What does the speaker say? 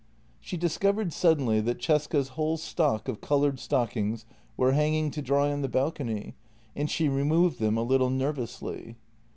She discovered suddenly that Cesca's whole stock of coloured stockings were hanging to dry on the balcony, and she removed them a little nervously.